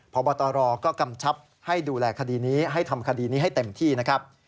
พบตรก็กำชับให้ดูแลคดีนี้ให้ทำคดีนี้ให้เต็มที่นะครับ